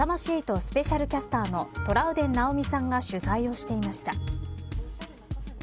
スペシャルキャスターのトラウデン直美さんが取材をしていました。